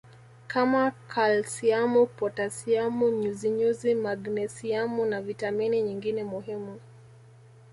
kama kalsiamu potasiamu nyuzinyuzi magnesiamu na vitamini nyingine muhimu